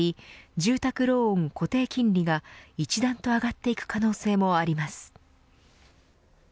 住宅ローン固定金利が一段と上がっていく可能性もあります。